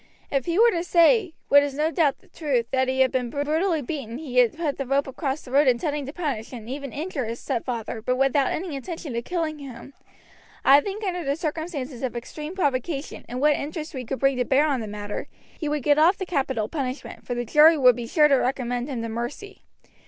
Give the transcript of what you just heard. If he were to say, what is no doubt the truth, that having been brutally beaten he put the rope across the road intending to punish and even injure his stepfather, but without any intention of killing him, I think under the circumstances of extreme provocation, and what interest we could bring to bear on the matter, he would get off the capital punishment, for the jury would be sure to recommend him to mercy.